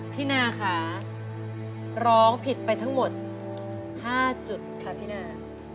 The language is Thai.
นาค่ะร้องผิดไปทั้งหมด๕จุดค่ะพี่นา